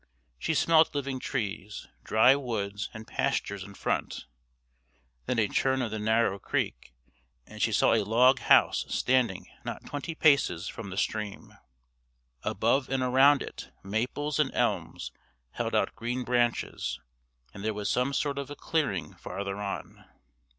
She smelt living trees, dry woods and pastures in front. Then a turn of the narrow creek, and she saw a log house standing not twenty paces from the stream. Above and around it maples and elms held out green branches, and there was some sort of a clearing farther on.